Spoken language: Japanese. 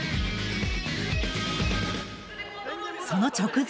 その直前。